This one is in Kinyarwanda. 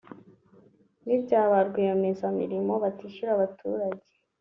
n’ibya ba rwiyemezamirimo batishyura abaturage